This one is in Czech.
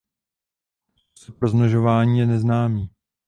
Způsob rozmnožování je neznámý.